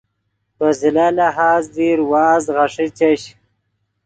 پے زلہ لہاز دیر وازد غیݰے چش